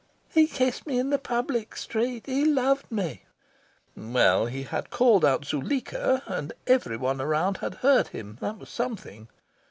"He kissed me in the public street. He loved me"... Well, he had called out "Zuleika!" and every one around had heard him. That was something.